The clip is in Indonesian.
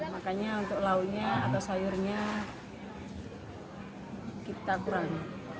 makanya untuk lauknya atau sayurnya kita kurangi